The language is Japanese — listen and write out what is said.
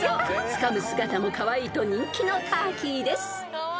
［つかむ姿もカワイイと人気のターキーです］